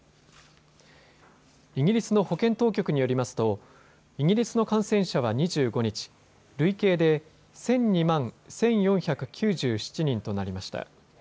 イギリスの保健当局によりますとイギリスの感染者は２５日、累計で１００２万１４９７人となりました。